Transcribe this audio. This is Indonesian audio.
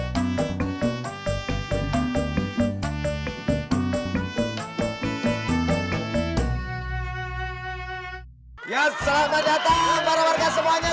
ya selamat datang para warga semuanya